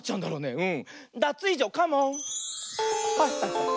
うん。